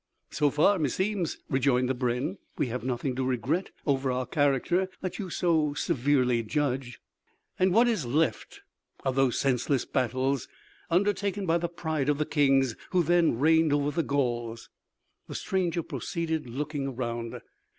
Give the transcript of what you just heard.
"So far, meseems," rejoined the brenn, "we have nothing to regret over our character that you so severely judge." "And what is left of those senseless battles, undertaken by the pride of the kings who then reigned over the Gauls?" the stranger proceeded looking around.